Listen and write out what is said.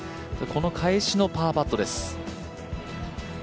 この返しのパーパットです。